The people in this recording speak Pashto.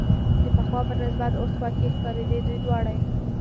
د پخوا په نسبت اوس خوښې ښکارېدې، دوی دواړې.